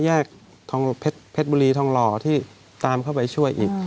แยกเพชรบุรีทองหล่อที่ตามเข้าไปช่วยอีก